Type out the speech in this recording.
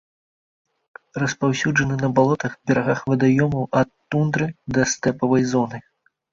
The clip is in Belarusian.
Распаўсюджаны на балотах, берагах вадаёмаў ад тундры да стэпавай зоны.